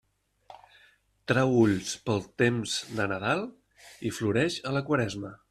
Trau ulls pel temps de Nadal i floreix a la Quaresma.